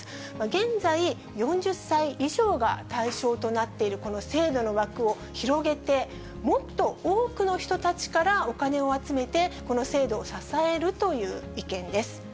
現在４０歳以上が対象となっているこの制度の枠を広げて、もっと多くの人たちからお金を集めて、この制度を支えるという意見です。